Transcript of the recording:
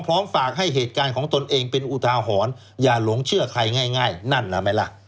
พร้อมฝากให้เหตุการณ์ของตนเองเป็นอุทาหรณ์อย่าหลงเชื่อใครง่ายนั่นล่ะไหมล่ะ